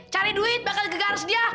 cari duit bakal gegaris dia